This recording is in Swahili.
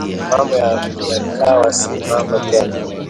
Mambo yakawa si mambo tena